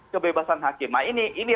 kebebasan hakim nah ini